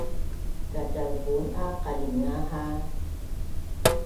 kacalpun a qalinga ha